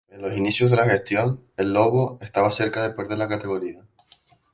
En los inicios de la gestión, el "lobo" estaba cerca de perder la categoría.